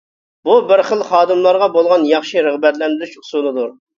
بۇ بىر خىل خادىملارغا بولغان ياخشى رىغبەتلەندۈرۈش ئۇسۇلىدۇر.